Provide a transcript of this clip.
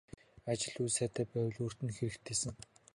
Ажил үйл сайтай байвал өөрт нь л хэрэгтэйсэн.